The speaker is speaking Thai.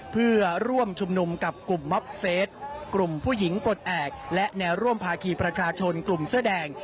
เพื่อร่วมชุมนุมกับกลุ่มมอบเซตกลุ่มผู้หญิงปลดแอบและแนวร่วมภาคีประชาชนกลุ่มเสื้อแดง